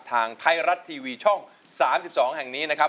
ทางไทยรัฐทีวีช่อง๓๒แห่งนี้นะครับ